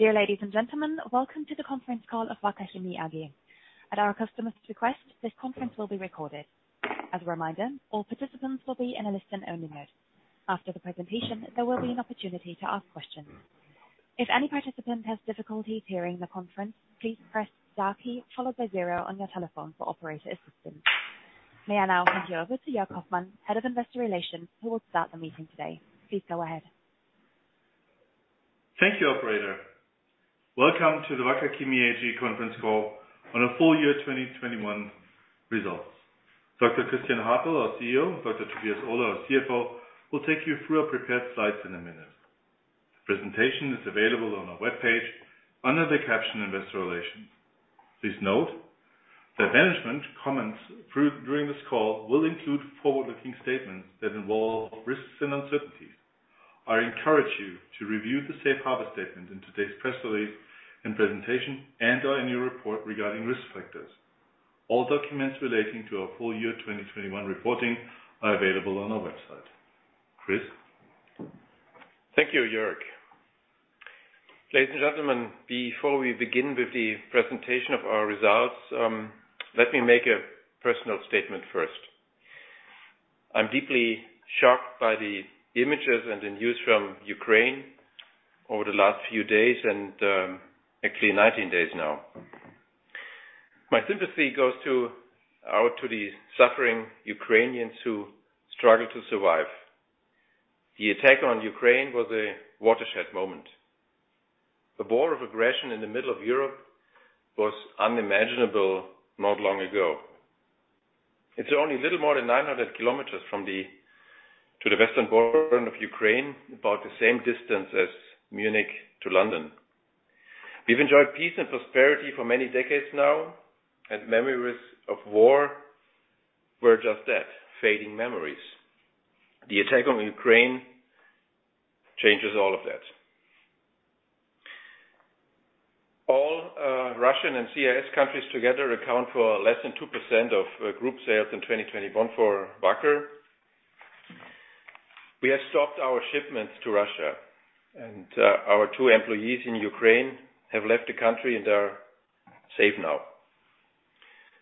Dear ladies and gentlemen, welcome to the conference call of Wacker Chemie AG. At our customer's request, this conference will be recorded. As a reminder, all participants will be in a listen-only mode. After the presentation, there will be an opportunity to ask questions. If any participant has difficulty hearing the conference, please press star key followed by zero on your telephone for operator assistance. May I now hand you over to Jörg Hoffmann, Head of Investor Relations, who will start the meeting today. Please go ahead. Thank you, operator. Welcome to the Wacker Chemie AG conference call on our full year 2021 results. Dr. Christian Hartel, our CEO, and Dr. Tobias Ohler, our CFO, will take you through our prepared slides in a minute. The presentation is available on our webpage under the caption Investor Relations. Please note that management comments during this call will include forward-looking statements that involve risks and uncertainties. I encourage you to review the safe harbor statement in today's press release and presentation and/or in your report regarding risk factors. All documents relating to our full year 2021 reporting are available on our website. Christian? Thank you, Jörg. Ladies and gentlemen, before we begin with the presentation of our results, let me make a personal statement first. I'm deeply shocked by the images and the news from Ukraine over the last few days and, actually 19 days now. My sympathy goes out to the suffering Ukrainians who struggle to survive. The attack on Ukraine was a watershed moment. The war of aggression in the middle of Europe was unimaginable not long ago. It's only a little more than 900 kilometers to the Western border of Ukraine, about the same distance as Munich to London. We've enjoyed peace and prosperity for many decades now, and memories of war were just that, fading memories. The attack on Ukraine changes all of that. All Russian and CIS countries together account for less than 2% of group sales in 2021 for Wacker. We have stopped our shipments to Russia. Our two employees in Ukraine have left the country, and they are safe now.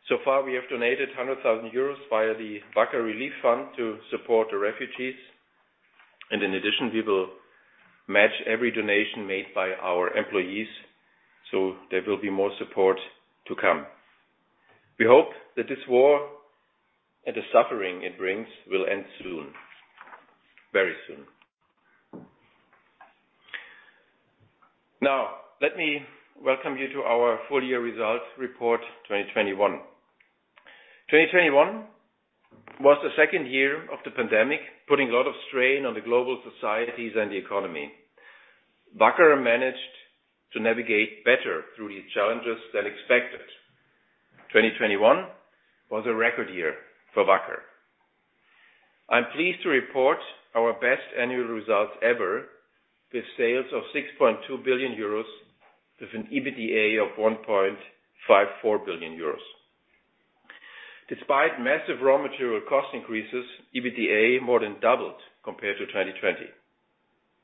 So far, we have donated 100,000 euros via the Wacker Relief Fund to support the refugees, and in addition, we will match every donation made by our employees, so there will be more support to come. We hope that this war and the suffering it brings will end soon, very soon. Now, let me welcome you to our full year results report 2021. 2021 was the second year of the pandemic, putting a lot of strain on the global societies and the economy. Wacker managed to navigate better through these challenges than expected. 2021 was a record year for Wacker. I'm pleased to report our best annual results ever, with sales of 6.2 billion euros with an EBITDA of 1.54 billion euros. Despite massive raw material cost increases, EBITDA more than doubled compared to 2020.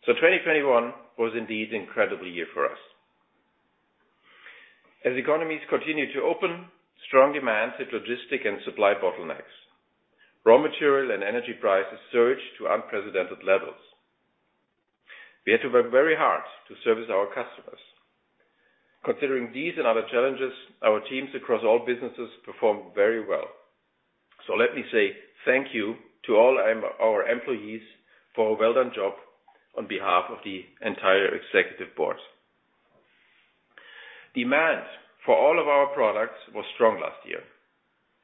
2021 was indeed an incredible year for us. As economies continue to open, strong demand hit logistics and supply bottlenecks. Raw material and energy prices surged to unprecedented levels. We had to work very hard to service our customers. Considering these and other challenges, our teams across all businesses performed very well. Let me say thank you to all our employees for a well-done job on behalf of the entire executive board. Demand for all of our products was strong last year.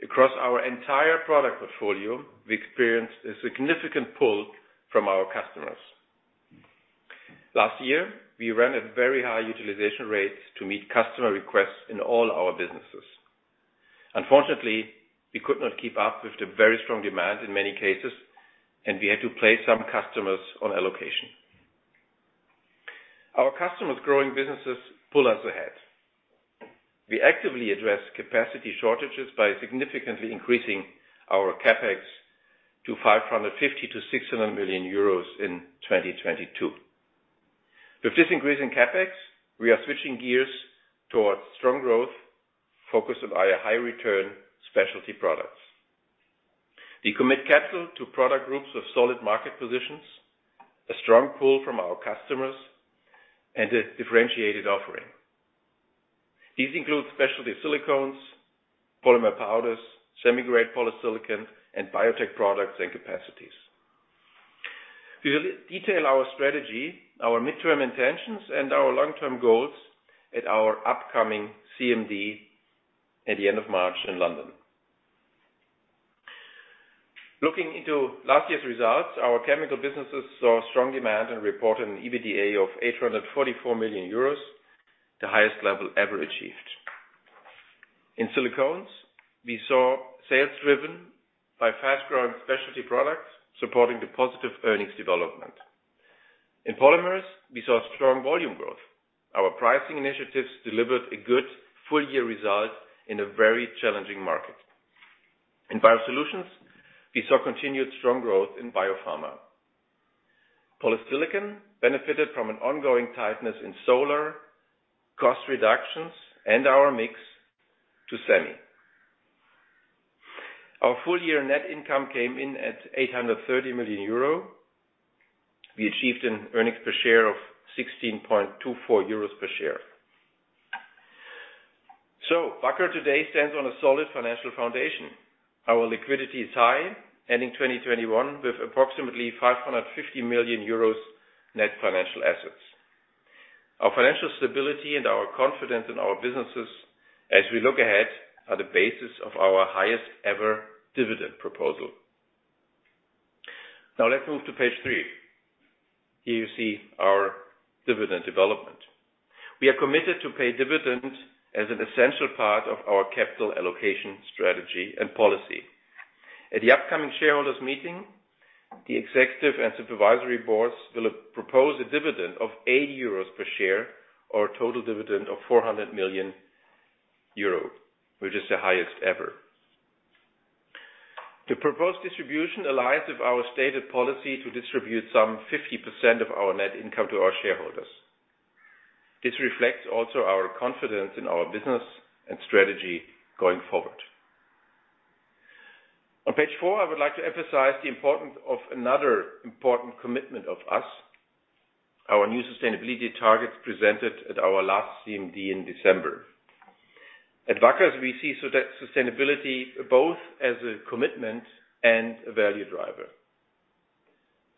Across our entire product portfolio, we experienced a significant pull from our customers. Last year, we ran at very high utilization rates to meet customer requests in all our businesses. Unfortunately, we could not keep up with the very strong demand in many cases, and we had to place some customers on allocation. Our customers' growing businesses pull us ahead. We actively address capacity shortages by significantly increasing our CapEx to 550 million-600 million euros in 2022. With this increase in CapEx, we are switching gears towards strong growth, focused on our high return specialty products. We commit capital to product groups with solid market positions, a strong pull from our customers, and a differentiated offering. These include specialty silicones, polymer powders, semiconductor-grade polysilicon, and biotech products and capacities. We will detail our strategy, our midterm intentions, and our long-term goals at our upcoming CMD at the end of March in London. Looking into last year's results, our chemical businesses saw strong demand and reported an EBITDA of 844 million euros, the highest level ever achieved. In Silicones, we saw sales driven by fast-growing specialty products supporting the positive earnings development. In Polymers, we saw strong volume growth. Our pricing initiatives delivered a good full-year result in a very challenging market. In Biosolutions, we saw continued strong growth in biopharma. Polysilicon benefited from an ongoing tightness in solar, cost reductions and our mix to semi. Our full-year net income came in at 830 million euro. We achieved an earnings per share of 16.24 euros per share. Wacker today stands on a solid financial foundation. Our liquidity is high, ending 2021 with approximately 550 million euros net financial assets. Our financial stability and our confidence in our businesses as we look ahead are the basis of our highest ever dividend proposal. Now let's move to page three. Here you see our dividend development. We are committed to pay dividends as an essential part of our capital allocation strategy and policy. At the upcoming shareholders meeting, the executive and supervisory boards will propose a dividend of 80 euros per share or a total dividend of 400 million euro, which is the highest ever. The proposed distribution aligns with our stated policy to distribute some 50% of our net income to our shareholders. This reflects also our confidence in our business and strategy going forward. On page four, I would like to emphasize the importance of another important commitment of us, our new sustainability targets presented at our last CMD in December. At Wacker, we see sustainability both as a commitment and a value driver.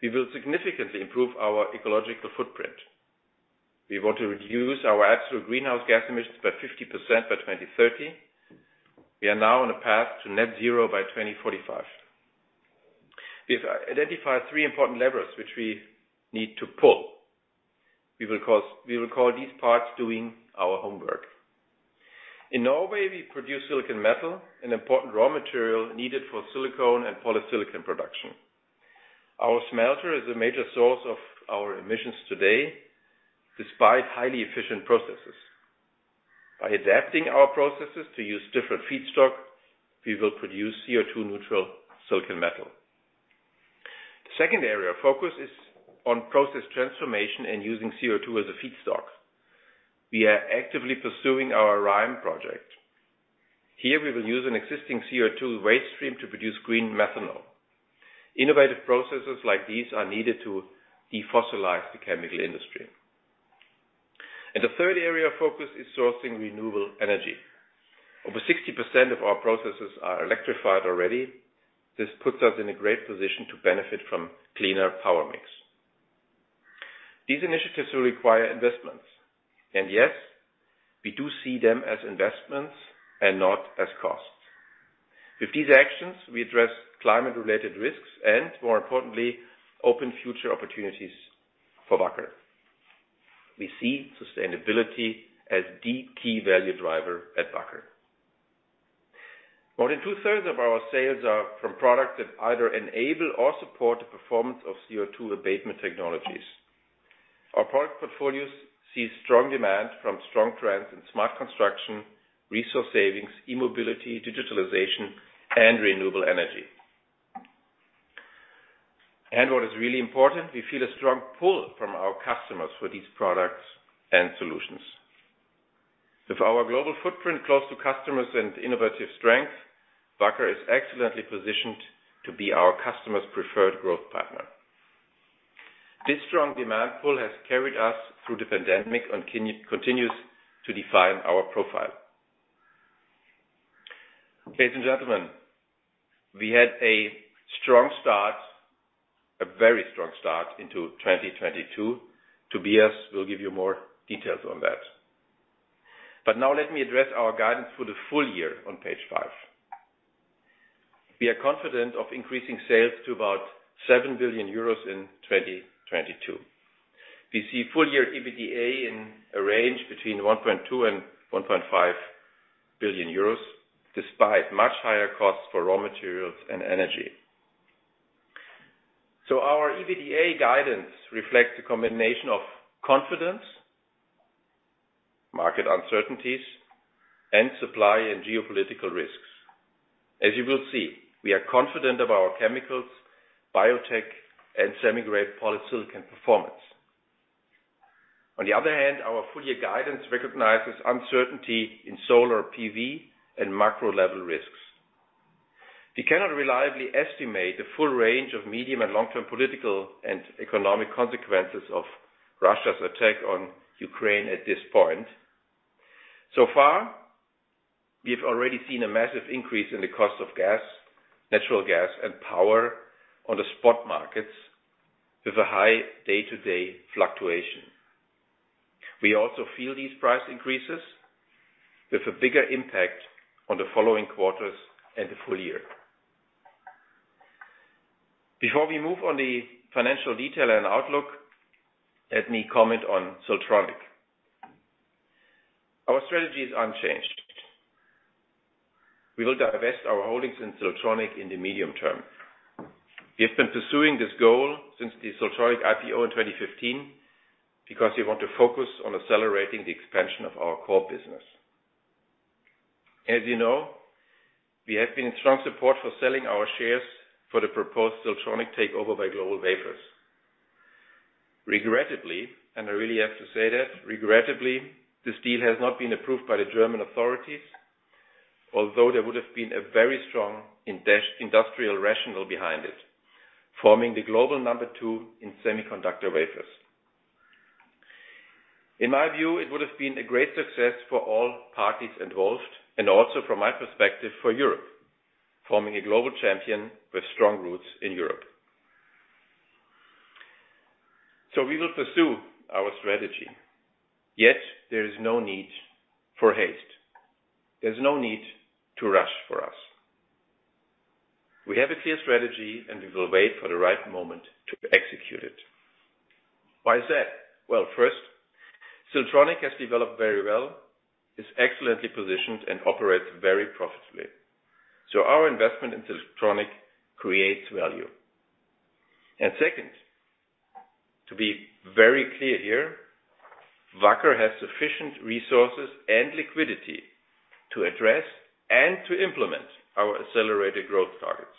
We will significantly improve our ecological footprint. We want to reduce our absolute greenhouse gas emissions by 50% by 2030. We are now on a path to net zero by 2045. We've identified three important levers which we need to pull. We will call these parts doing our homework. In Norway, we produce silicon metal, an important raw material needed for silicone and polysilicon production. Our smelter is a major source of our emissions today, despite highly efficient processes. By adapting our processes to use different feedstock, we will produce CO₂ neutral silicon metal. The second area of focus is on process transformation and using CO₂ as a feedstock. We are actively pursuing our RHYME project. Here, we will use an existing CO₂ waste stream to produce green methanol. Innovative processes like these are needed to defossilize the chemical industry. The third area of focus is sourcing renewable energy. Over 60% of our processes are electrified already. This puts us in a great position to benefit from cleaner power mix. These initiatives will require investments. Yes, we do see them as investments and not as costs. With these actions, we address climate-related risks, and more importantly, open future opportunities for Wacker. We see sustainability as the key value driver at Wacker. More than two-thirds of our sales are from products that either enable or support the performance of CO₂ abatement technologies. Our product portfolios see strong demand from strong trends in smart construction, resource savings, e-mobility, digitalization, and renewable energy. What is really important, we feel a strong pull from our customers for these products and solutions. With our global footprint close to customers and innovative strength, Wacker is excellently positioned to be our customers' preferred growth partner. This strong demand pull has carried us through the pandemic and continues to define our profile. Ladies and gentlemen, we had a strong start, a very strong start into 2022. Tobias will give you more details on that. Now let me address our guidance for the full year on page five. We are confident of increasing sales to about 7 billion euros in 2022. We see full-year EBITDA in a range between 1.2 billion and 1.5 billion euros, despite much higher costs for raw materials and energy. Our EBITDA guidance reflects a combination of confidence, market uncertainties, and supply and geopolitical risks. As you will see, we are confident of our chemicals, biotech, and semiconductor-grade polysilicon performance. On the other hand, our full-year guidance recognizes uncertainty in solar PV and macro-level risks. We cannot reliably estimate the full range of medium- and long-term political and economic consequences of Russia's attack on Ukraine at this point. So far, we have already seen a massive increase in the cost of gas, natural gas, and power on the spot markets with a high day-to-day fluctuation. We also feel these price increases with a bigger impact on the following quarters and the full year. Before we move on the financial detail and outlook, let me comment on Siltronic. Our strategy is unchanged. We will divest our holdings in Siltronic in the medium term. We have been pursuing this goal since the Siltronic IPO in 2015, because we want to focus on accelerating the expansion of our core business. As you know, we have been in strong support for selling our shares for the proposed Siltronic takeover by GlobalWafers. Regrettably, and I really have to say that, regrettably, this deal has not been approved by the German authorities. Although there would have been a very strong industrial rationale behind it, forming the global number two in semiconductor wafers. In my view, it would have been a great success for all parties involved and also from my perspective, for Europe, forming a global champion with strong roots in Europe. We will pursue our strategy, yet there is no need for haste. There's no need to rush for us. We have a clear strategy, and we will wait for the right moment to execute it. Why is that? Well, first, Siltronic has developed very well, is excellently positioned, and operates very profitably. Our investment in Siltronic creates value. Second, to be very clear here, Wacker has sufficient resources and liquidity to address and to implement our accelerated growth targets.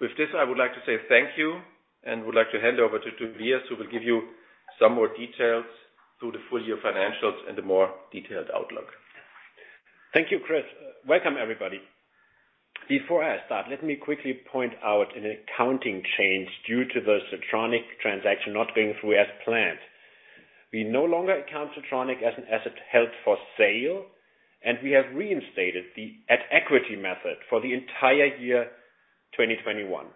With this, I would like to say thank you and would like to hand over to Tobias, who will give you some more details through the full year financials and a more detailed outlook. Thank you, Christian. Welcome, everybody. Before I start, let me quickly point out an accounting change due to the Siltronic transaction not going through as planned. We no longer account Siltronic as an asset held for sale, and we have reinstated the equity method for the entire year 2021.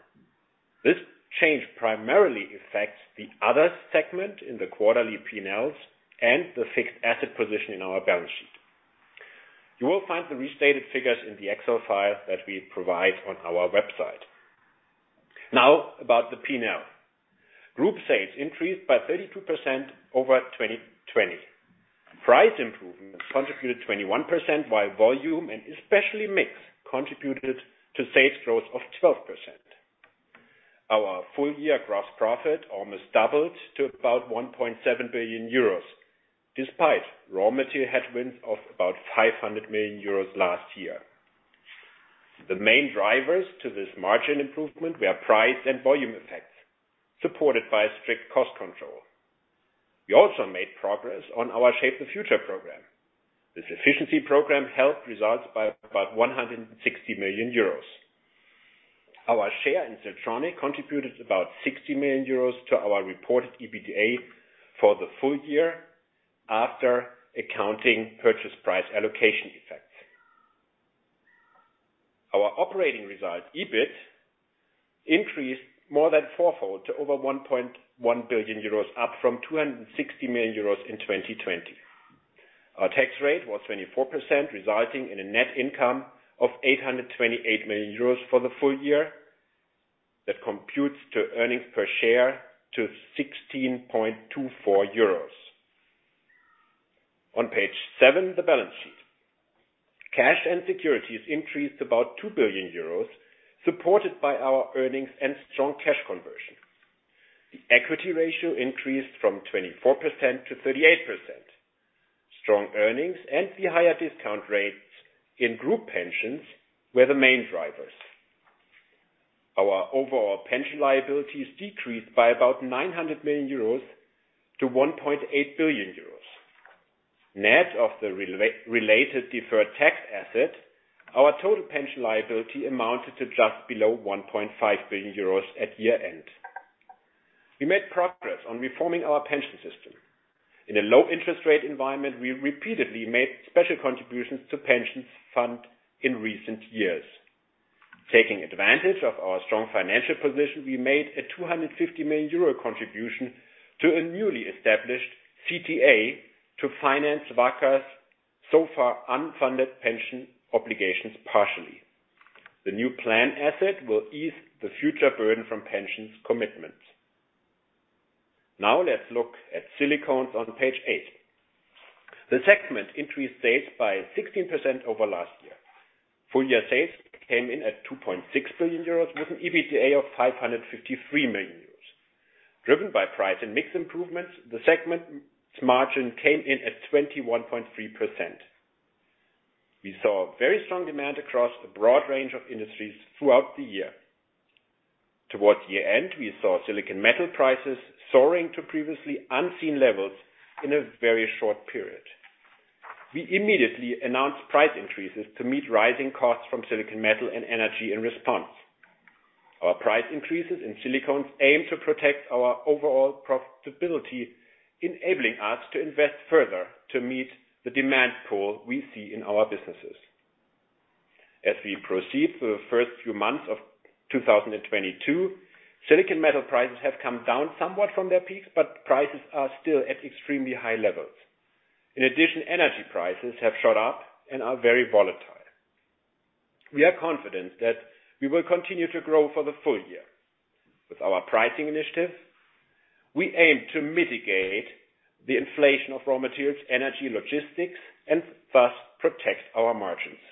This change primarily affects the other segment in the quarterly P&Ls and the fixed asset position in our balance sheet. You will find the restated figures in the Excel file that we provide on our website. Now about the P&L. Group sales increased by 32% over 2020. Price improvements contributed 21%, while volume and especially mix contributed to sales growth of 12%. Our full year gross profit almost doubled to about 1.7 billion euros, despite raw material headwinds of about 500 million euros last year. The main drivers to this margin improvement were price and volume effects, supported by a strict cost control. We also made progress on our Shape the Future program. This efficiency program helped results by about 160 million euros. Our share in Siltronic contributed about 60 million euros to our reported EBITDA for the full year after accounting purchase price allocation effects. Our operating results, EBIT, increased more than four-fold to over 1.1 billion euros, up from 260 million euros in 2020. Our tax rate was 24%, resulting in a net income of 828 million euros for the full year. That computes to earnings per share to 16.24 euros. On page seven, the balance sheet. Cash and securities increased about 2 billion euros, supported by our earnings and strong cash conversion. The equity ratio increased from 24% to 38%. Strong earnings and the higher discount rates in group pensions were the main drivers. Our overall pension liabilities decreased by about 900 million euros to 1.8 billion euros. Net of the related deferred tax asset, our total pension liability amounted to just below 1.5 billion euros at year-end. We made progress on reforming our pension system. In a low interest rate environment, we repeatedly made special contributions to pensions fund in recent years. Taking advantage of our strong financial position, we made a 250 million euro contribution to a newly established CTA to finance Wacker's so far unfunded pension obligations partially. The new plan asset will ease the future burden from pensions commitments. Now let's look at Silicones on page eight. The segment increased sales by 16% over last year. Full year sales came in at 2.6 billion euros with an EBITDA of 553 million euros. Driven by price and mix improvements, the segment's margin came in at 21.3%. We saw very strong demand across a broad range of industries throughout the year. Towards the end, we saw silicon metal prices soaring to previously unseen levels in a very short period. We immediately announced price increases to meet rising costs from silicon metal and energy in response. Our price increases in silicones aim to protect our overall profitability, enabling us to invest further to meet the demand pool we see in our businesses. As we proceed through the first few months of 2022, silicon metal prices have come down somewhat from their peaks, but prices are still at extremely high levels. In addition, energy prices have shot up and are very volatile. We are confident that we will continue to grow for the full year. With our pricing initiative, we aim to mitigate the inflation of raw materials, energy, logistics and thus protect our margins.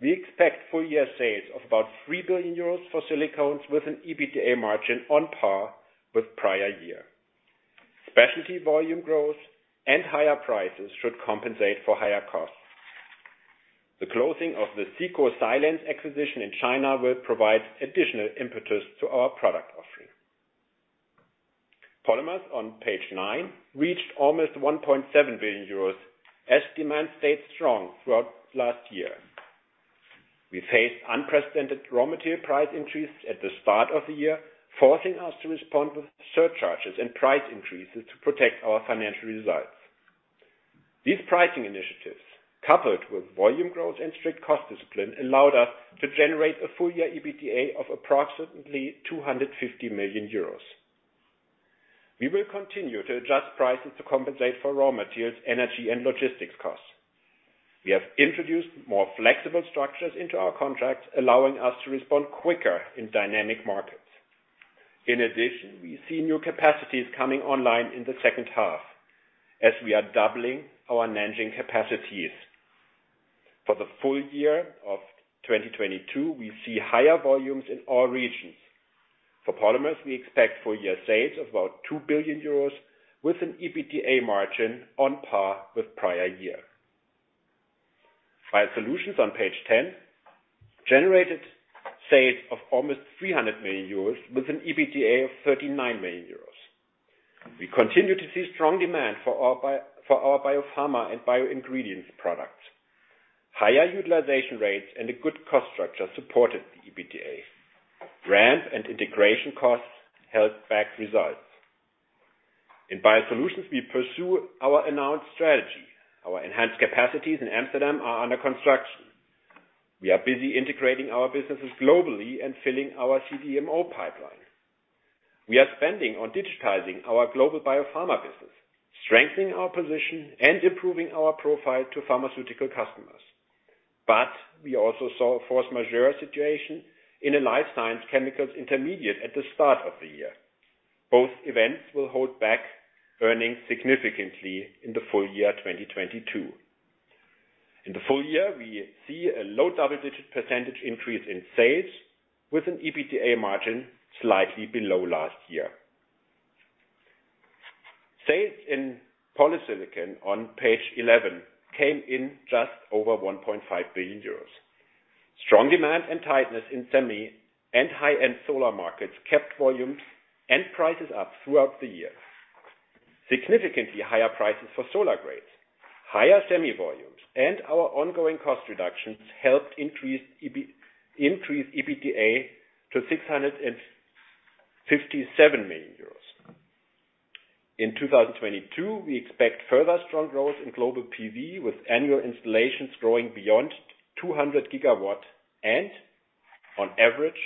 We expect full year sales of about 3 billion euros for Silicones with an EBITDA margin on par with prior year. Specialty volume growth and higher prices should compensate for higher costs. The closing of the Sico Performance Material acquisition in China will provide additional impetus to our product offering. Polymers on page nine reached almost 1.7 billion euros as demand stayed strong throughout last year. We faced unprecedented raw material price increases at the start of the year, forcing us to respond with surcharges and price increases to protect our financial results. These pricing initiatives, coupled with volume growth and strict cost discipline, allowed us to generate a full-year EBITDA of approximately 250 million euros. We will continue to adjust prices to compensate for raw materials, energy and logistics costs. We have introduced more flexible structures into our contracts, allowing us to respond quicker in dynamic markets. In addition, we see new capacities coming online in the second half as we are doubling our Nanjing capacities. For the full year of 2022, we see higher volumes in all regions. For Polymers, we expect full-year sales of about 2 billion euros with an EBITDA margin on par with prior year. Biosolutions on page 10 generated sales of almost 300 million euros with an EBITDA of 39 million euros. We continue to see strong demand for our biopharma and bio ingredients products. Higher utilization rates and a good cost structure supported the EBITDA. Ramp and integration costs held back results. In Biosolutions, we pursue our announced strategy. Our enhanced capacities in Amsterdam are under construction. We are busy integrating our businesses globally and filling our CDMO pipeline. We are spending on digitizing our global biopharma business, strengthening our position and improving our profile to pharmaceutical customers. We also saw a force majeure situation in a life science chemicals intermediate at the start of the year. Both events will hold back earnings significantly in the full year 2022. In the full year, we see a low double-digit % increase in sales with an EBITDA margin slightly below last year. Sales in polysilicon on page 11 came in just over 1.5 billion euros. Strong demand and tightness in semi and high-end solar markets kept volumes and prices up throughout the year. Significantly higher prices for solar grades, higher semi volumes and our ongoing cost reductions helped increase EBITDA to 657 million euros. In 2022, we expect further strong growth in global PV, with annual installations growing beyond 200 gigawatts and on average,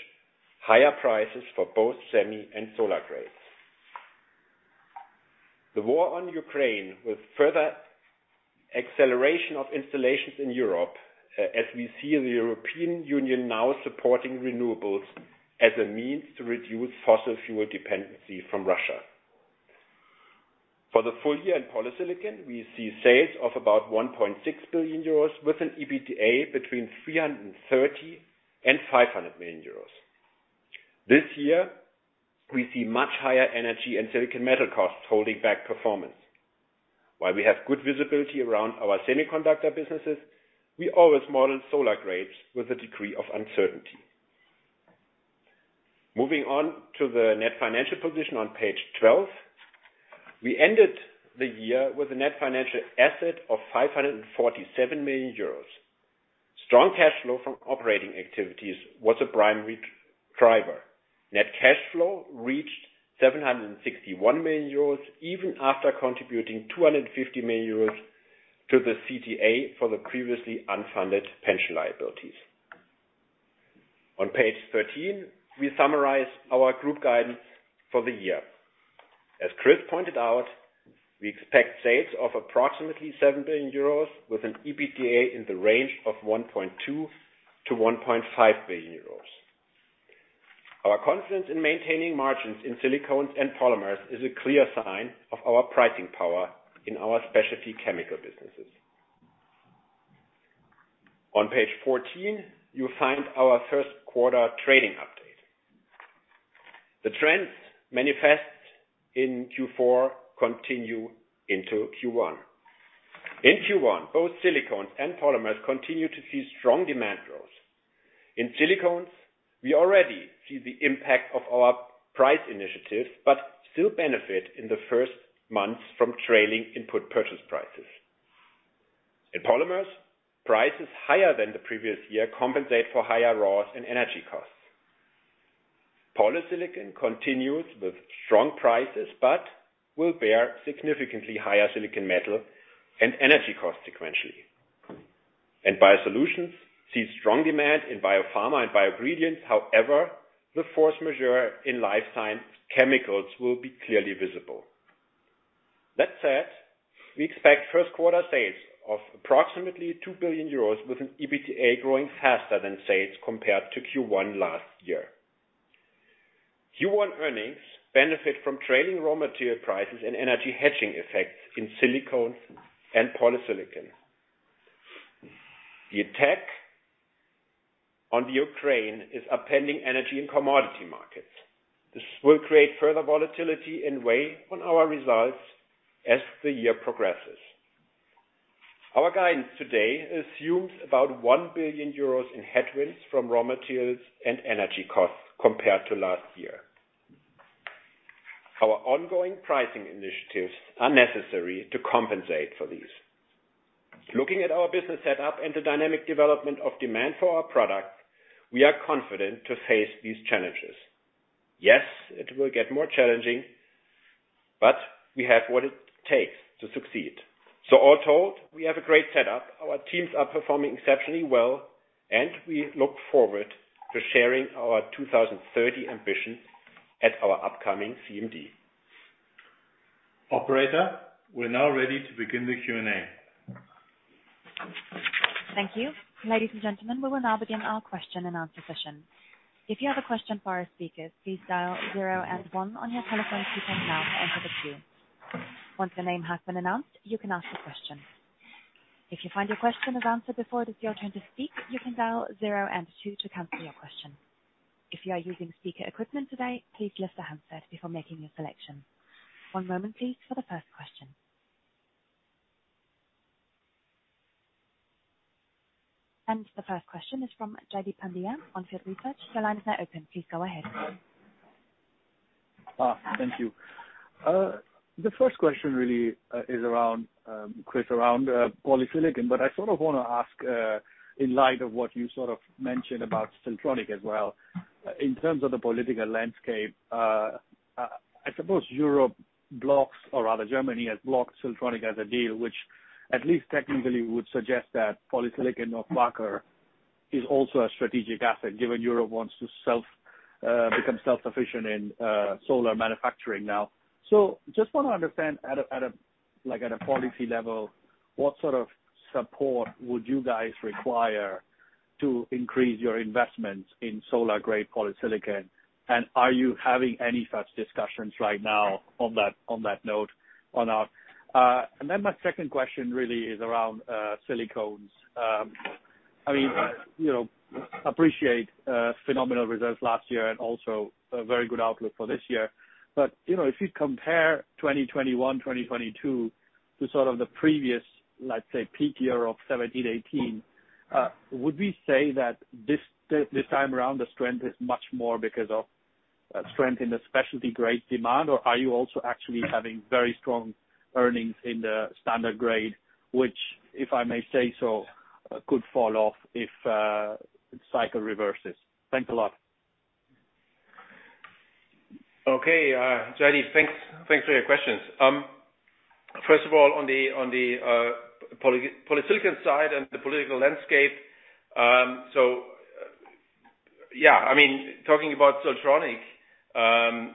higher prices for both semi and solar grades. The war in Ukraine will further accelerate installations in Europe as we see the European Union now supporting renewables as a means to reduce fossil fuel dependency from Russia. For the full year in polysilicon, we see sales of about 1.6 billion euros with an EBITDA between 330 million and 500 million euros. This year, we see much higher energy and silicon metal costs holding back performance. While we have good visibility around our semiconductor businesses, we always model solar grades with a degree of uncertainty. Moving on to the net financial position on page 12. We ended the year with a net financial asset of 547 million euros. Strong cash flow from operating activities was a primary driver. Net cash flow reached 761 million euros even after contributing 250 million euros to the CTA for the previously unfunded pension liabilities. On page 13, we summarize our group guidance for the year. As Christian pointed out, we expect sales of approximately 7 billion euros with an EBITDA in the range of 1.2 billion-1.5 billion euros. Our confidence in maintaining margins in Silicones and Polymers is a clear sign of our pricing power in our specialty chemical businesses. On page 14, you'll find our first quarter trading update. The trends manifest in Q4 continue into Q1. In Q1, both Silicones and Polymers continue to see strong demand growth. In Silicones, we already see the impact of our price initiatives, but still benefit in the first months from trailing input purchase prices. In Polymers, prices higher than the previous year compensate for higher raws and energy costs. Polysilicon continues with strong prices, but will bear significantly higher silicon metal and energy costs sequentially. Biosolutions sees strong demand in biopharma and bioingredients, however, the force majeure in life science chemicals will be clearly visible. That said, we expect first quarter sales of approximately 2 billion euros with an EBITDA growing faster than sales compared to Q1 last year. Q1 earnings benefit from trading raw material prices and energy hedging effects in Silicones and Polysilicon. The attack on Ukraine is upending energy and commodity markets. This will create further volatility and weigh on our results as the year progresses. Our guidance today assumes about 1 billion euros in headwinds from raw materials and energy costs compared to last year. Our ongoing pricing initiatives are necessary to compensate for these. Looking at our business setup and the dynamic development of demand for our product, we are confident to face these challenges. Yes, it will get more challenging, but we have what it takes to succeed. All told, we have a great setup. Our teams are performing exceptionally well, and we look forward to sharing our 2030 ambitions at our upcoming CMD. Operator, we're now ready to begin the Q and A. Thank you. Ladies and gentlemen, we will now begin our question-and-answer session. If you have a question for our speakers, please dial zero and one on your telephone keypad now to enter the queue. Once the name has been announced, you can ask a question. If you find your question is answered before it is your turn to speak, you can dial zero and two to cancel your question. If you are using speaker equipment today, please lift the handset before making your selection. One moment please for the first question. The first question is from Jaideep Pandya on On Field Investment Research. Your line is now open. Please go ahead. Thank you. The first question really is around Christian, around polysilicon. I sort of want to ask in light of what you sort of mentioned about Siltronic as well, in terms of the political landscape. I suppose the European bloc or rather Germany has blocked Siltronic as a deal, which at least technically would suggest that polysilicon or Wacker is also a strategic asset, given Europe wants to become self-sufficient in solar manufacturing now. Just want to understand at a policy level what sort of support would you guys require to increase your investments in solar-grade polysilicon? And are you having any such discussions right now on that note on our? My second question really is around Silicones. I mean, you know, I appreciate phenomenal results last year and also a very good outlook for this year. You know, if you compare 2021, 2022 to sort of the previous, let's say, peak year of 2017, 2018, would we say that this time around, the strength is much more because of strength in the specialty grade demand? Or are you also actually having very strong earnings in the standard grade, which, if I may say so, could fall off if the cycle reverses? Thanks a lot. Okay. Jaideep, thanks for your questions. First of all, on the polysilicon side and the political landscape. Talking about Siltronic,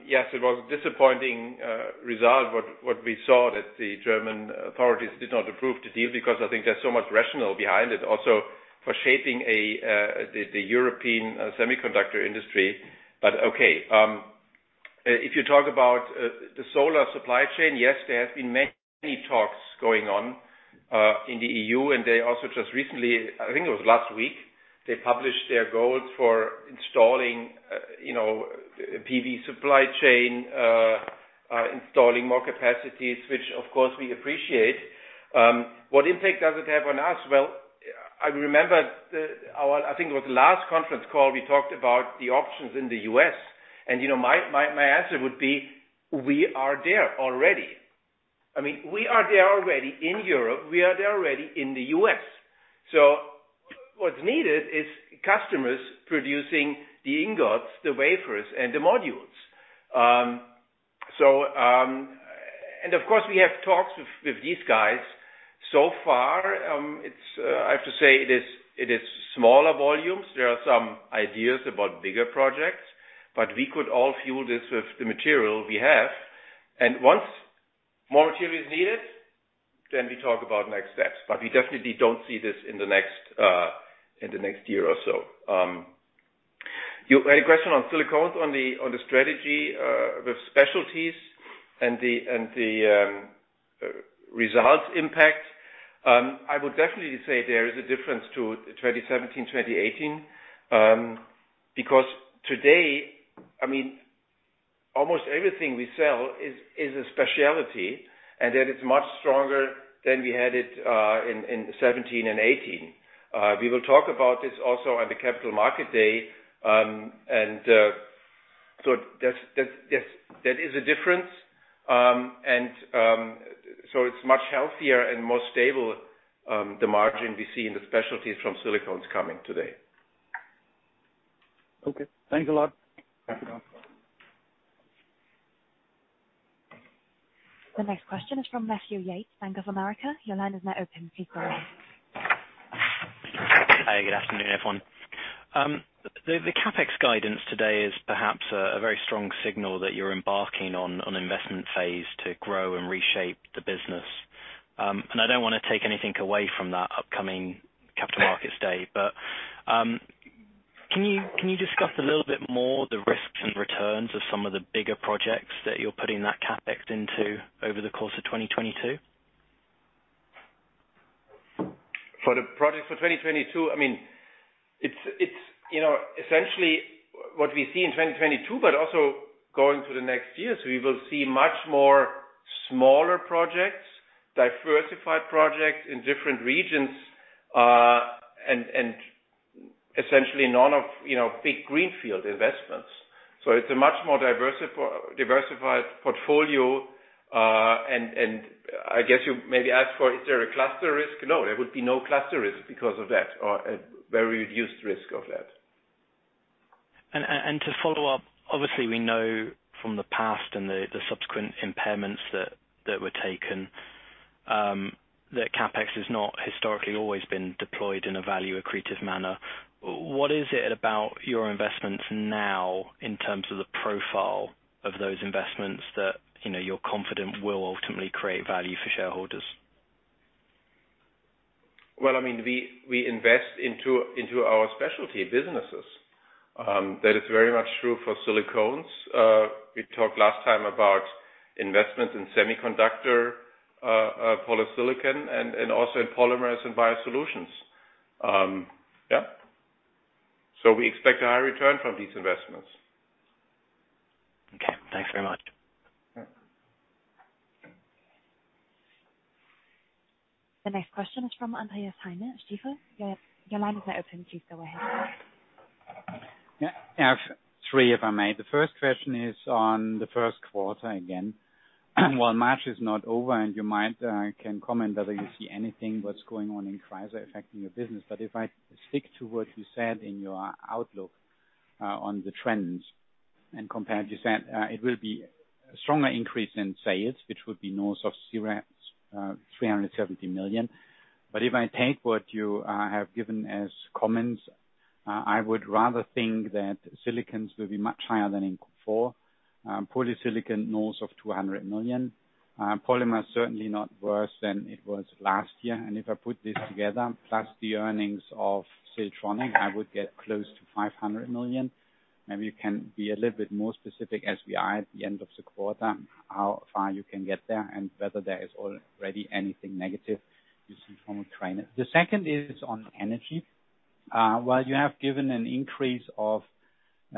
yes, it was disappointing result what we saw that the German authorities did not approve the deal because I think there's so much rationale behind it also for shaping the European semiconductor industry. Okay, if you talk about the solar supply chain, yes, there have been many talks going on in the EU, and they also just recently, I think it was last week, they published their goals for installing, you know, PV supply chain, installing more capacities, which of course we appreciate. What impact does it have on us? Well, I remember our, I think it was last conference call, we talked about the options in the U.S. and you know, my answer would be we are there already. I mean, we are there already in Europe. We are there already in the U.S. What's needed is customers producing the ingots, the wafers and the modules. Of course we have talks with these guys. So far, I have to say it is smaller volumes. There are some ideas about bigger projects, but we could already fuel this with the material we have. Once more material is needed, then we talk about next steps. We definitely don't see this in the next year or so. To your question on Silicones, on the strategy with specialties and the results impact. I would definitely say there is a difference to 2017, 2018, because today, I mean, almost everything we sell is a specialty and that it's much stronger than we had it in 2017 and 2018. We will talk about this also on the Capital Markets Day. Yes, that is a difference. It's much healthier and more stable, the margin we see in the specialties from Silicones coming today. Okay. Thanks a lot. Thank you. The next question is from Matthew Yates, Bank of America. Your line is now open. Please go ahead. Hey, good afternoon, everyone. The CapEx guidance today is perhaps a very strong signal that you're embarking on an investment phase to grow and reshape the business. I don't wanna take anything away from that upcoming Capital Markets Day, but can you discuss a little bit more the risks and returns of some of the bigger projects that you're putting that CapEx into over the course of 2022? For the projects for 2022, I mean, it's you know, essentially what we see in 2022, but also going to the next year. We will see much more smaller projects, diversified projects in different regions, and essentially none of, you know, big greenfield investments. It's a much more diversified portfolio. I guess you maybe ask for is there a cluster risk? No, there would be no cluster risk because of that, or a very reduced risk of that. To follow up, obviously, we know from the past and the subsequent impairments that were taken that CapEx has not historically always been deployed in a value-accretive manner. What is it about your investments now in terms of the profile of those investments that, you know, you're confident will ultimately create value for shareholders? Well, I mean, we invest into our specialty businesses. That is very much true for Silicones. We talked last time about investments in semiconductor polysilicon and also in Polymers and Biosolutions. Yeah. We expect a high return from these investments. Okay. Thanks very much. The next question is from Andreas Heine. Your line is now open. Please go ahead. Yeah. I have three, if I may. The first question is on the first quarter again. While March is not over, and you might can comment whether you see anything what's going on in crisis affecting your business. If I stick to what you said in your outlook on the trends and compare to that, it will be a stronger increase in sales, which would be north of 370 million. If I take what you have given as comments, I would rather think that Silicones will be much higher than in Q4. Polysilicon, north of 200 million. Polymers certainly not worse than it was last year. If I put this together, plus the earnings of Siltronic, I would get close to 500 million. Maybe you can be a little bit more specific as we are at the end of the quarter, how far you can get there and whether there is already anything negative you see from China. The second is on energy. While you have given an increase of 1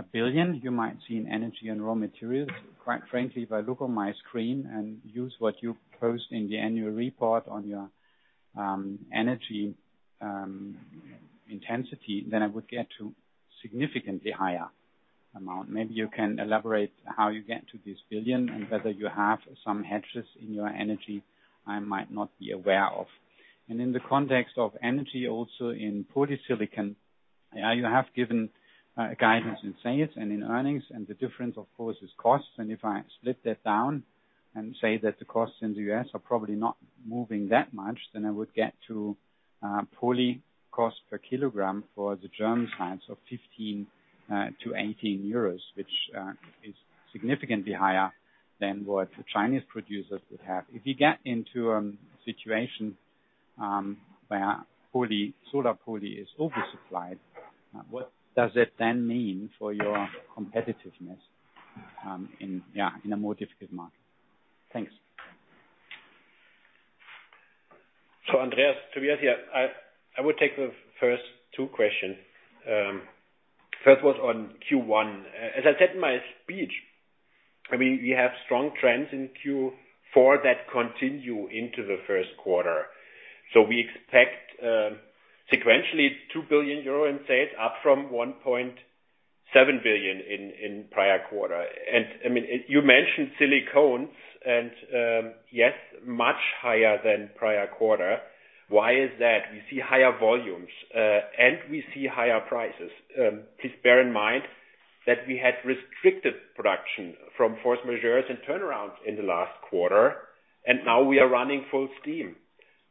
billion you might see in energy and raw materials. Quite frankly, if I look on my screen and use what you post in the annual report on your energy intensity, then I would get to significantly higher amount. Maybe you can elaborate how you get to this 1 billion and whether you have some hedges in your energy I might not be aware of. In the context of energy, also in polysilicon, you have given guidance in sales and in earnings, and the difference of course is costs. If I split that down and say that the costs in the U.S. are probably not moving that much, then I would get to poly cost per kilogram for the German sites of 15-18 euros, which is significantly higher than what Chinese producers would have. If you get into situation where poly, solar poly is oversupplied, what does that then mean for your competitiveness in yeah in a more difficult market? Thanks. Andreas, to be honest here, I would take the first two questions. First was on Q1. As I said in my speech, I mean, we have strong trends in Q4 that continue into the first quarter. We expect sequentially 2 billion euro in sales, up from 1.7 billion in prior quarter. I mean, you mentioned silicones and yes, much higher than prior quarter. Why is that? We see higher volumes and we see higher prices. Please bear in mind that we had restricted production from force majeure and turnarounds in the last quarter, and now we are running full steam.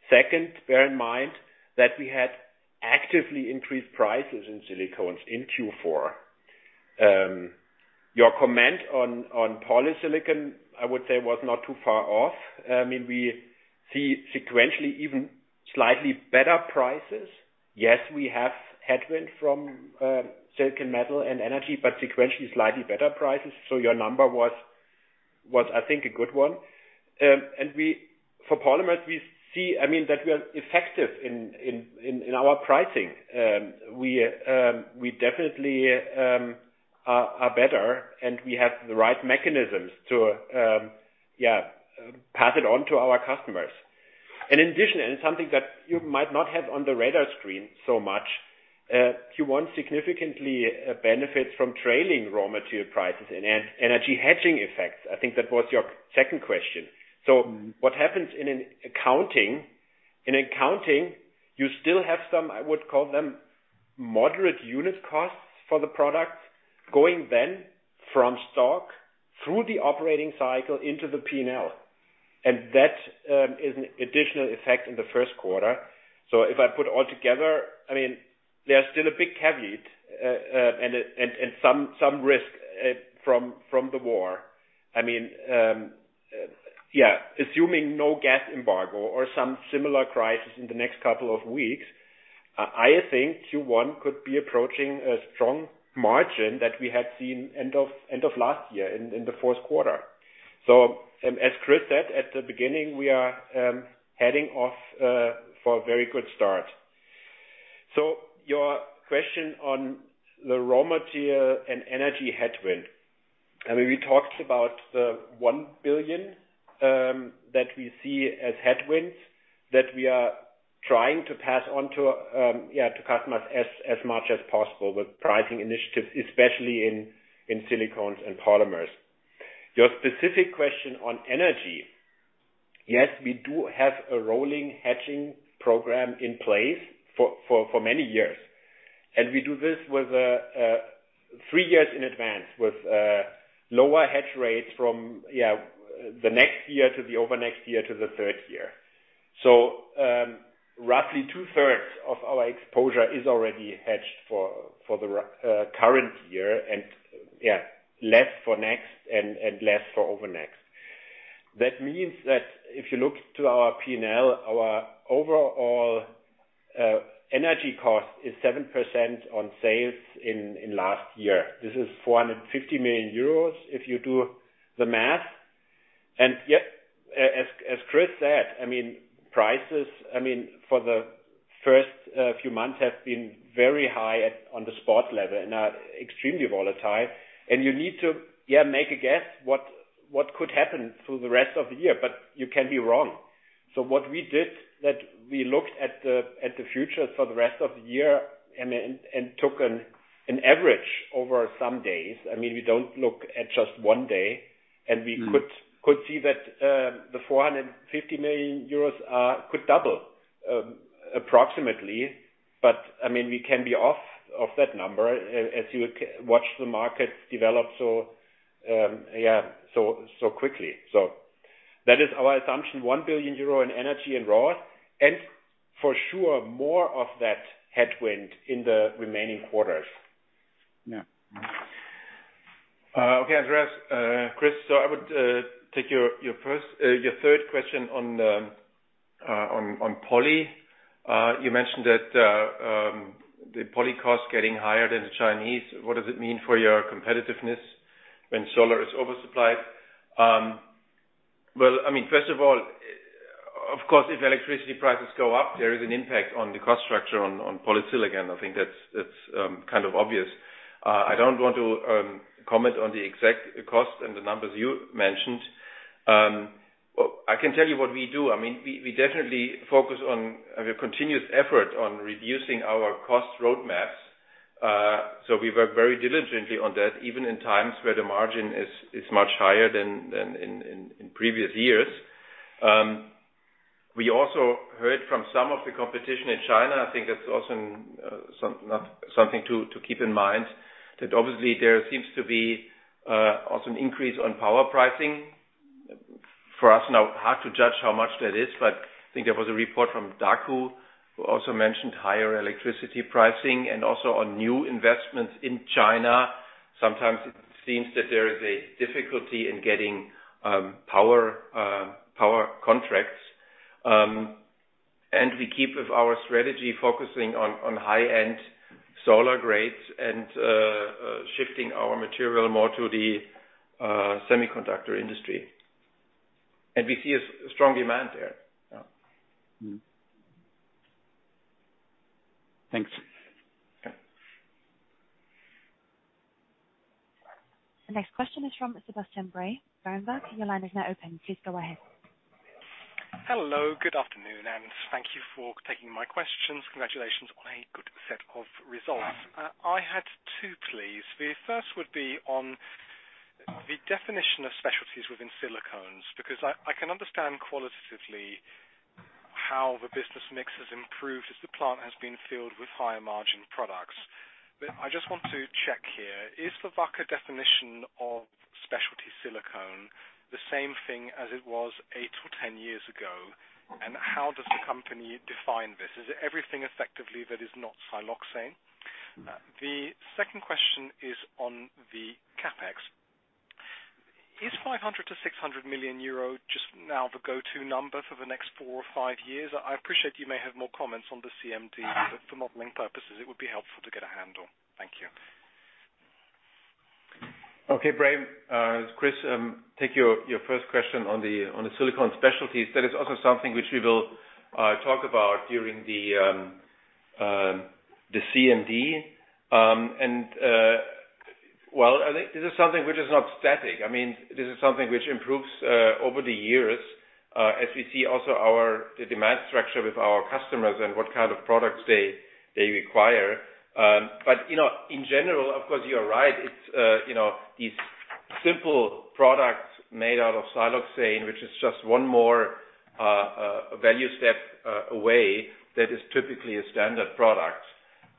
Second, bear in mind that we had actively increased prices in silicones in Q4. Your comment on polysilicon, I would say was not too far off. I mean, we see sequentially even slightly better prices. Yes, we have headwind from silicon metal and energy, but sequentially slightly better prices. Your number was, I think, a good one. For polymers, we see, I mean, that we are effective in our pricing. We definitely are better, and we have the right mechanisms to pass it on to our customers. In addition, something that you might not have on the radar screen so much, Q1 significantly benefits from trailing raw material prices and energy hedging effects. I think that was your second question. What happens in accounting? In accounting, you still have some, I would call them, moderate unit costs for the products, going then from stock through the operating cycle into the P&L. That is an additional effect in the first quarter. If I put all together, I mean, there's still a big caveat and some risk from the war. I mean, yeah, assuming no gas embargo or some similar crisis in the next couple of weeks, I think Q1 could be approaching a strong margin that we had seen end of last year in the fourth quarter. As Christian said at the beginning, we are heading off for a very good start. Your question on the raw material and energy headwind. I mean, we talked about the 1 billion that we see as headwinds that we are trying to pass on to, yeah, to customers as much as possible with pricing initiatives, especially in Silicones and Polymers. Your specific question on energy. Yes, we do have a rolling hedging program in place for many years. We do this with a three years in advance with lower hedge rates from the next year to the over next year to the third year. Roughly two-thirds of our exposure is already hedged for the current year and less for next and less for over next. That means that if you look to our P&L, our overall energy cost is 7% on sales in last year. This is 450 million euros if you do the math. Yet, as Christian said, I mean, prices, I mean, for the first few months have been very high on the spot level and are extremely volatile. You need to, yeah, make a guess what could happen through the rest of the year, but you can be wrong. What we did that we looked at the future for the rest of the year and took an average over some days. I mean, we don't look at just one day. We could Mmmmh. Could see that the 450 million euros could double, approximately. I mean, we can be off of that number as you watch the markets develop so quickly. That is our assumption, 1 billion euro in energy and raw, and for sure more of that headwind in the remaining quarters. Yeah. Okay, Andreas, Christian. I would take your third question on poly. You mentioned that the poly cost getting higher than the Chinese. What does it mean for your competitiveness when solar is oversupplied? Well, I mean, first of all, of course, if electricity prices go up, there is an impact on the cost structure on polysilicon. I think that's kind of obvious. I don't want to comment on the exact cost and the numbers you mentioned. Well, I can tell you what we do. I mean, we definitely focus on a continuous effort on reducing our cost roadmaps. So we work very diligently on that, even in times where the margin is much higher than in previous years. We also heard from some of the competition in China. I think that's also something to keep in mind, that obviously there seems to be also an increase on power pricing. For us, now hard to judge how much that is, but I think there was a report from Daqo who also mentioned higher electricity pricing and also on new investments in China. Sometimes it seems that there is a difficulty in getting power contracts. We keep with our strategy focusing on high-end solar grades and shifting our material more to the semiconductor industry. We see a strong demand there. Yeah. Mm-hmm. Thanks. Yeah. The next question is from Sebastian Bray. Your line is now open. Please go ahead. Hello, good afternoon, and thank you for taking my questions. Congratulations on a good set of results. Thank you. I had two, please. The first would be on the definition of specialties within Silicones, because I can understand qualitatively how the business mix has improved as the plant has been filled with higher margin products. I just want to check here, is the Wacker definition of specialty Silicone the same thing as it was eight or 10 years ago? And how does the company define this? Is it everything effectively that is not siloxane? The second question is on the CapEx. Is 500 million-600 million euro just now the go-to number for the next four or five years? I appreciate you may have more comments on the CMD, but for modeling purposes, it would be helpful to get a handle. Thank you. Okay, Bray. Christian, take your first question on the Silicone specialties. That is also something which we will talk about during the CMD. Well, I think this is something which is not static. I mean, this is something which improves over the years as we see also the demand structure with our customers and what kind of products they require. But, you know, in general, of course, you are right. It's you know, these simple products made out of siloxane, which is just one more value step away that is typically a standard product.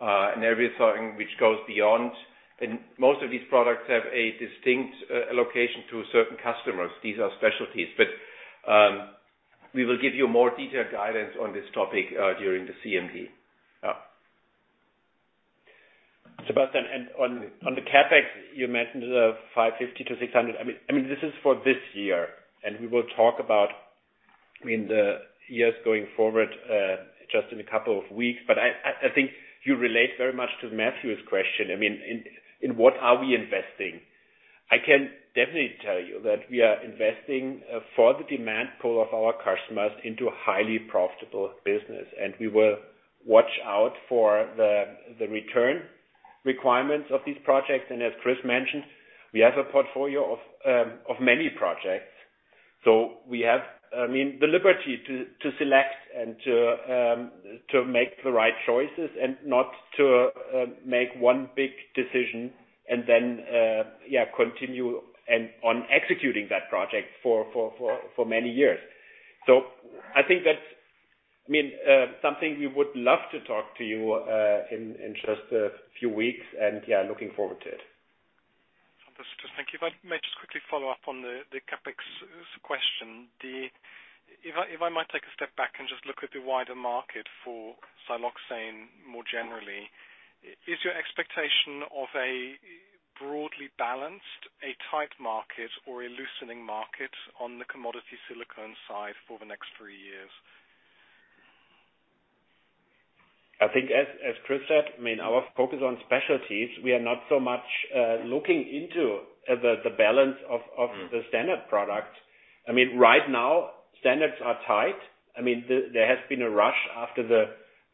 Everything which goes beyond, and most of these products have a distinct allocation to certain customers. These are specialties. We will give you more detailed guidance on this topic during the CMD. Yeah. Sebastian, on the CapEx, you mentioned the 550 million-600 million. I mean, this is for this year, and we will talk about in the years going forward just in a couple of weeks. I think it relates very much to Matthew's question. I mean, in what are we investing? I can definitely tell you that we are investing for the demand pull of our customers into a highly profitable business. We will watch out for the return requirements of these projects. As Christian mentioned, we have a portfolio of many projects. We have, I mean, the liberty to select and to make the right choices and not to make one big decision and then continue on executing that project for many years. I think that's, I mean, something we would love to talk to you in just a few weeks, and looking forward to it. Understood. Thank you. If I may just quickly follow up on the CapEx question. If I might take a step back and just look at the wider market for siloxane more generally, is your expectation of a broadly balanced, a tight market or a loosening market on the commodity silicone side for the next three years? I think as Christian said, I mean, our focus on specialties, we are not so much looking into the balance of the standard product. I mean, right now standards are tight. I mean, there has been a rush after the